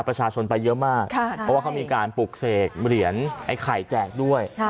ประชาชนไปเยอะมากเพราะว่าเขามีการปลูกเสกเหรียญไอ้ไข่แจกด้วย